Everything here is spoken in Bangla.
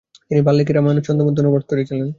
তিনি বাল্মীকি রামায়ণের ছন্দোবদ্ধ অনুবাদ করেছিলেন।